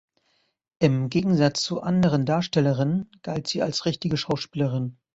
Im Gegensatz zu anderen Darstellerinnen galt sie als richtige Schauspielerin.